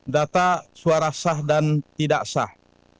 data suara sah dan tidak sah